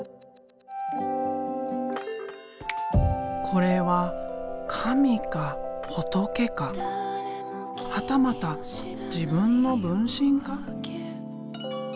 これは神か仏かはたまた自分の分身か？